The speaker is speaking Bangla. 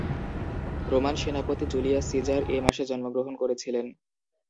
রোমান সেনাপতি জুলিয়াস সিজার এ মাসে জন্মগ্রহণ করেছিলেন।